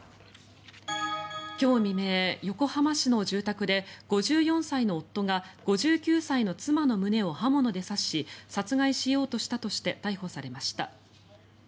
今日未明、横浜市の住宅で５４歳の夫が５９歳の妻の胸を刃物で刺し殺害しようとしたとして逮捕されました。